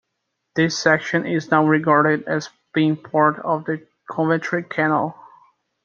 This section is now regarded as being part of the Coventry Canal.